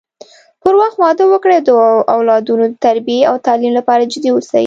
پر وخت واده وکړي د اولادونو د تربی او تعليم لپاره جدي اوسی